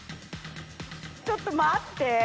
ちょっと待って。